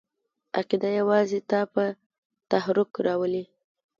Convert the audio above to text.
عقیده یوازې تا په تحرک راولي!